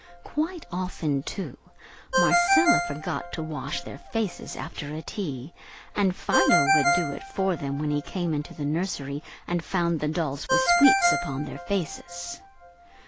Quite often, too, Marcella forgot to wash their faces after a "tea," and Fido would do it for them when he came into the nursery and found the dolls with sweets upon their faces.